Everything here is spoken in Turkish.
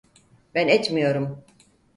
Ben etmiyorum.